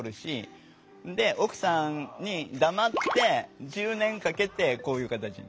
奥さんに黙って１０年かけてこういう形に。